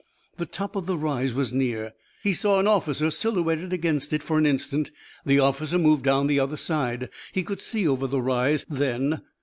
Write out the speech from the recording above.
The top of the rise was near. He saw an officer silhouetted against it for an instant. The officer moved down the other side. He could see over the rise, then.